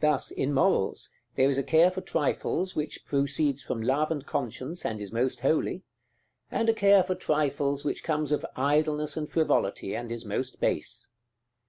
Thus, in morals, there is a care for trifles which proceeds from love and conscience, and is most holy; and a care for trifles which comes of idleness and frivolity, and is most base.